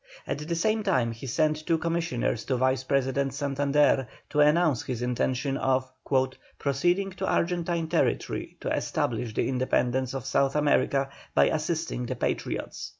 At the same time he sent two commissioners to Vice President Santander to announce his intention of "proceeding to Argentine territory to establish the independence of South America by assisting the Patriots."